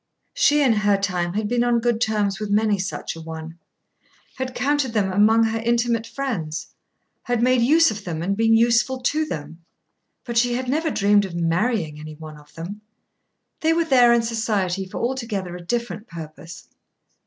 She, in her time, had been on good terms with many such a one, had counted them among her intimate friends, had made use of them and been useful to them, but she had never dreamed of marrying any one of them. They were there in society for altogether a different purpose.